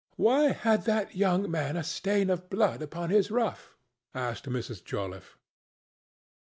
"Why had that young man a stain of blood upon his ruff?" asked Miss Joliffe.